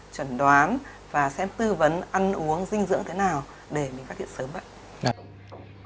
chuẩn đoán và xem tư vấn ăn uống dinh dưỡng thế nào để mình phát hiện sớm bệnh